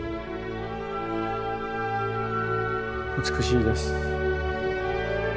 美しいです。